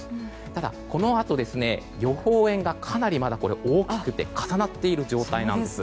ただ、このあと予報円がかなり大きく重なっている状態。